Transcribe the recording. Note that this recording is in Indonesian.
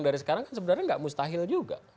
dari sekarang sebenarnya tidak mustahil juga